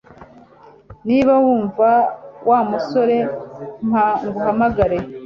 Niba wumva Wa musore mpa guhamagara